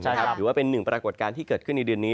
ใช่ครับถือว่าเป็นหนึ่งปรากฏการณ์ที่เกิดขึ้นในเดือนนี้